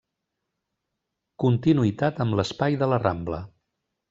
Continuïtat amb l'espai de la Rambla.